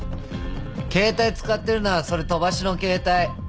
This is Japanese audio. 携帯使ってるならそれ飛ばしの携帯。